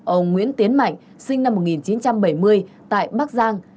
ông nguyễn tiến mạnh sinh năm một nghìn chín trăm bảy mươi tại bắc giang